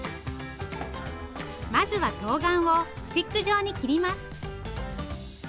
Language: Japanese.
まずはとうがんをスティック状に切ります。